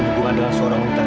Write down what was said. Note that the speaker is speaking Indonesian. hubungan dengan seorang wanita